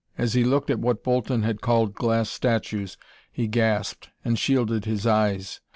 As he looked at what Bolton had called glass statues he gasped and shielded his eyes.